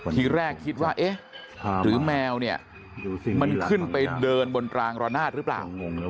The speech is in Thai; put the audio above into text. ทีแรกคิดว่าเอ๊ะหรือแมวเนี่ยมันขึ้นไปเดินบนตรางระนาดหรือเปล่า